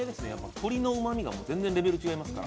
鶏のうまみが全然違いますから。